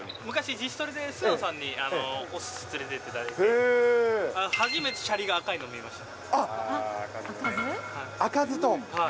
昔自主トレで、菅野さんにおすし連れていっていただいて、初めてシャリが赤いの見ました。